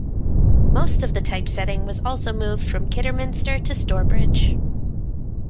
Most of the type setting was also moved from Kidderminster to Stourbridge.